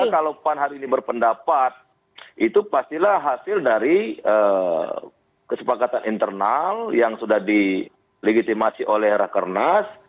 maka kalau pan hari ini berpendapat itu pastilah hasil dari kesepakatan internal yang sudah di legitimasi oleh rakan nas